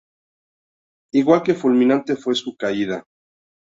Igual de fulminante fue su caída.